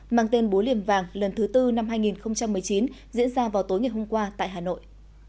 mang tên bố liềm vàng lần thứ tư năm hai nghìn một mươi chín diễn ra vào tối ngày hôm qua tại hà nội